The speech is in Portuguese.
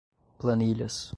planilhas